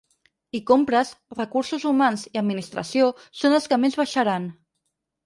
I compres, recursos humans i administració són els que més baixaran.